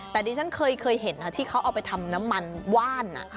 แต่ดิฉันเคยเห็นที่เขาเอาไปทำน้ำมันว่าน